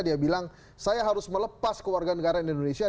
dia bilang saya harus melepas ke warga negara indonesia